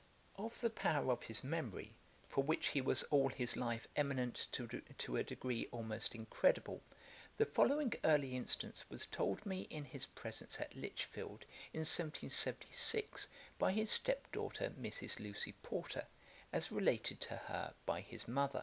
Of the power of his memory, for which he was all his life eminent to a degree almost incredible, the following early instance was told me in his presence at Lichfield, in 1776, by his step daughter, Mrs. Lucy Porter, as related to her by his mother.